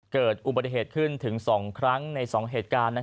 เกิดอุบัติเหตุขึ้นถึง๒ครั้งใน๒เหตุการณ์